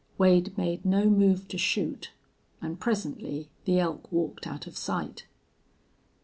Wade made no move to shoot, and presently the elk walked out of sight.